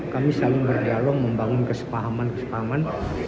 kami saling berdialog membangun kesepahaman kesepahaman